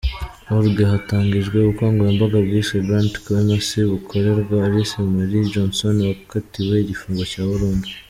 org, hatangijwe ubukangurambaga bwiswe "Grant Clemency" bukorerwa Alice Marie Johnson wakatiwe igifungo cya burundu.